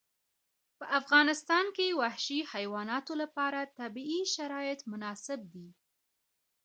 په افغانستان کې وحشي حیواناتو لپاره طبیعي شرایط مناسب دي.